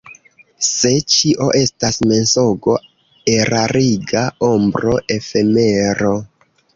Se ĉio estas mensogo, erariga ombro, efemero.